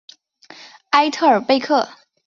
埃特尔贝克。